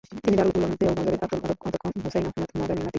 তিনি দারুল উলুম দেওবন্দের প্রাক্তন অধ্যক্ষ হুসাইন আহমদ মাদানির নাতি।